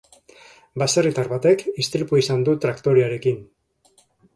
Baserritar batek istripua izan du traktorearekin.